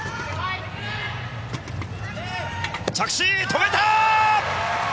着地、止めた！